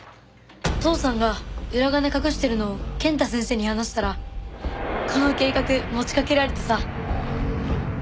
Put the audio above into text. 父さんが裏金隠してるのを健太先生に話したらこの計画持ちかけられてさ。